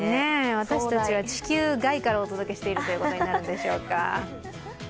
私たちは地球外からお届けしているということになるんでしょうか。